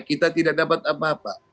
kita tidak dapat apa apa